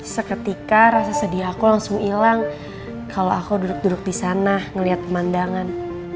seketika rasa sedih aku langsung ilang kalau aku duduk duduk disana ngeliat pemandangan